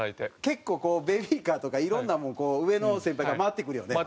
結構こうベビーカーとかいろんなもんこう上の先輩から回ってくるよね。